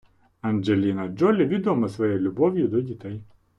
Анджеліна Джолі відома своєю любов'ю до дітей.